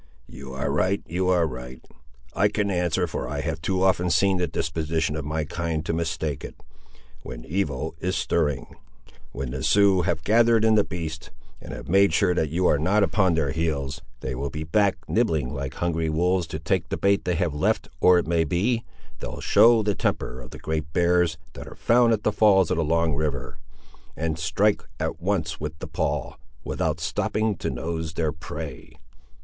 "You are right, you are right. I can answer, for I have too often seen the disposition of my kind to mistake it, when evil is stirring. When the Siouxes have gathered in the beasts, and have made sure that you are not upon their heels, they will be back nibbling like hungry wolves to take the bait they have left or it may be, they'll show the temper of the great bears, that are found at the falls of the Long River, and strike at once with the paw, without stopping to nose their prey."